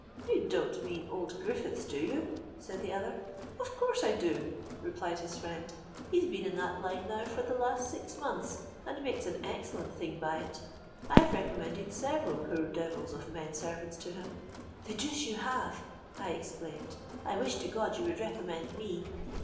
—'You don't mean old Griffiths, do you?' said the other.—'Of course I do,' replied his friend: 'he's been in that line now for the last six months, and makes an excellent thing by it. I've recommended several poor devils of men servants to him.'—'The deuce you have!' I exclaimed: 'I wish to God you would recommend me!'